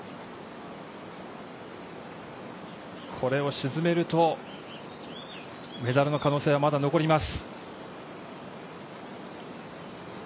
これを沈めると、メダルの可能性はまだ残ります。